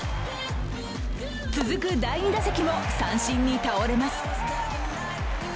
続く第２打席も三振に倒れます。